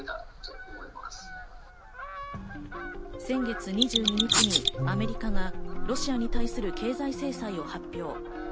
先月２２日にアメリカがロシアに対する経済制裁を発表。